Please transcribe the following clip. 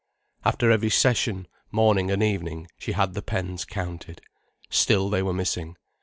After every session, morning and evening, she had the pens counted. Still they were missing.